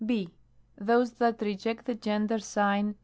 II. Those that reject the gender sign